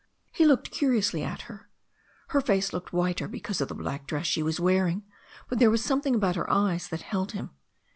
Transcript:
He looked curiously at her. Her face looked whiter because of the black dress she was wearing, but there was something about her eyes that held him.